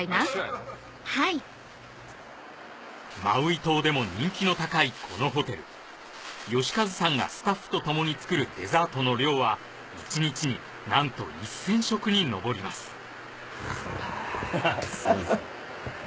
マウイ島でも人気の高いこのホテル慶和さんがスタッフと共に作るデザートの量は１日になんと１０００食にのぼります